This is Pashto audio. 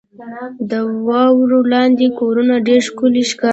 • د واورې لاندې کورونه ډېر ښکلي ښکاري.